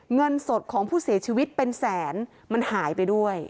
เงินสดของผู้เสียชีวิตเป็นแสนมันหายไปด้วย